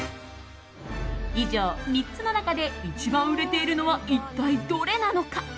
以上３つの中で一番売れているのは一体どれなのか？